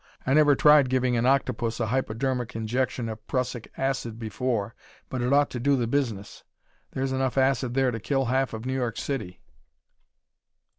"I never tried giving an octopus a hypodermic injection of prussic acid before, but it ought to do the business. There's enough acid there to kill half New York City."